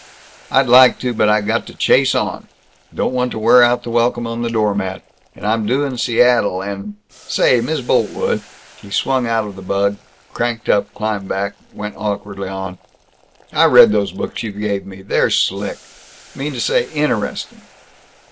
"I'd like to, but I got to chase on. Don't want to wear out the welcome on the doormat, and I'm due in Seattle, and Say, Miss Boltwood." He swung out of the bug, cranked up, climbed back, went awkwardly on, "I read those books you gave me. They're slick mean to say, interesting.